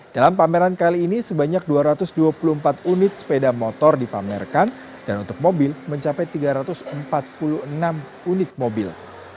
dalam pameran kali ini sebanyak dua ratus dua puluh empat unit sepeda motor dipamerkan dan untuk mobil mencapai tiga ratus empat puluh enam unit mobil